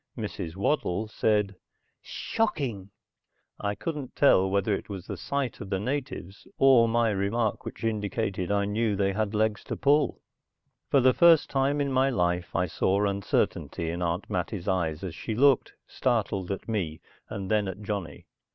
Mrs. Waddle said, "Shocking!" I couldn't tell whether it was the sight of the natives, or my remark which indicated I knew they had legs to pull. For the first time in my life I saw uncertainty in Aunt Mattie's eyes as she looked, startled, at me, and then at Johnny.